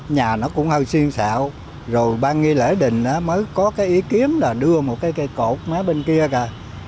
nhà nó cũng hơi xuyên xạo rồi ban nghi lễ đình mới có ý kiếm là đưa một cây cột má bên kia kìa